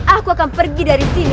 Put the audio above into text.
aku akan pergi dari sini